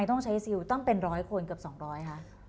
อเรนนี่แหละอเรนนี่แหละ